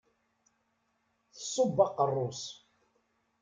Tṣubb aqerru-s.